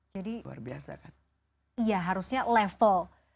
jadi harusnya level